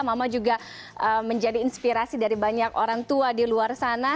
mama juga menjadi inspirasi dari banyak orang tua di luar sana